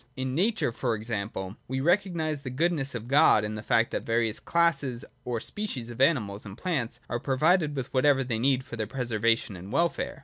In nature, for example, we recognise the goodness of God in the fact that the various classes or species of animals and plants are provided with whatever they need for their preservation and welfare.